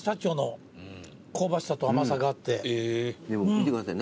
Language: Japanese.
見てください。